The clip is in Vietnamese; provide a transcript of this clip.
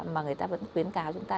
mà người ta vẫn khuyến cáo chúng ta